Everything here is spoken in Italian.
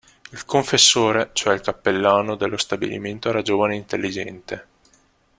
Il confessore, cioè il cappellano dello stabilimento, era giovane e intelligente.